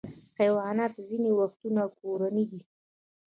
حیوانات ځینې وختونه کورني دي.